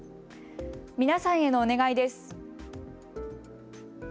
皆さんへのお願いです。